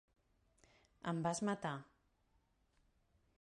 Em vas matar.